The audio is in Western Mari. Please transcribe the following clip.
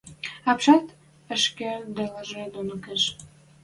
– Ӓпшӓт ӹшке делажы доно кеш.